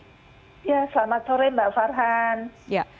ya selamat sore mbak farhan